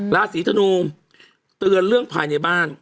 ราศีธนูเตือนเรื่องภายในบ้าน